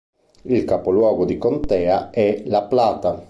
Il capoluogo di contea è La Plata.